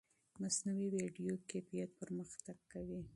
مصنوعي ویډیو کیفیت پرمختګ کوي.